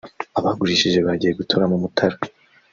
abagurishije bagiye gutura mu Mutara